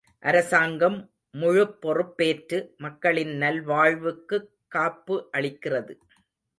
அரசாங்கம் முழுப்பொறுப்பேற்று மக்களின் நல்வாழ்வுக்குக் காப்பு அளிக்கிறது.